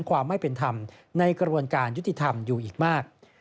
ความไม่เป็นธรรมในกระบวนการยุติธรรมอยู่อีกมาก